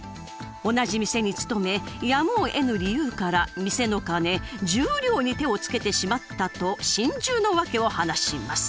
同じ店に勤めやむをえぬ理由から店の金１０両に手を付けてしまったと心中の訳を話します。